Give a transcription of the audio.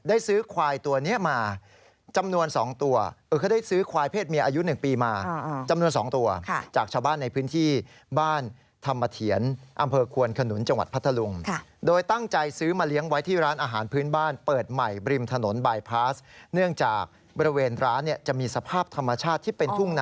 ซื้อควายตัวนี้มาจำนวน๒ตัวเขาได้ซื้อควายเพศเมียอายุ๑ปีมาจำนวน๒ตัวจากชาวบ้านในพื้นที่บ้านธรรมเถียรอำเภอควนขนุนจังหวัดพัทธลุงโดยตั้งใจซื้อมาเลี้ยงไว้ที่ร้านอาหารพื้นบ้านเปิดใหม่บริมถนนบายพาสเนื่องจากบริเวณร้านเนี่ยจะมีสภาพธรรมชาติที่เป็นทุ่งนา